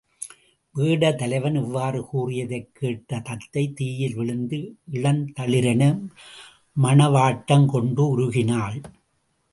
வேடர் தலைவன் இவ்வாறு கூறியதைக் கேட்ட தத்தை, தீயில் விழுந்த இளந்தளிரென மணவாட்டங் கொண்டு உருகினாள்.